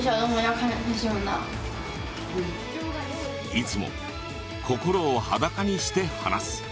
いつも心を裸にして話す。